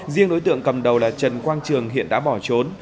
riêng đối tượng cầm đầu là trần quang trường hiện đã bỏ trốn